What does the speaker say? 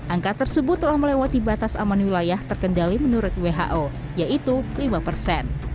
angka tersebut telah melewati batas aman wilayah terkendali menurut who yaitu lima persen